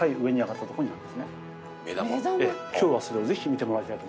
今日はそれを見てもらいたいと。